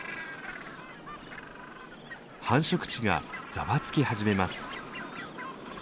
繁殖地がざわつき始めます。